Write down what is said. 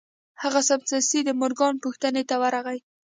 هغه سمدستي د مورګان پوښتنې ته ورغی